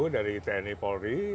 tujuh belas dari tni polri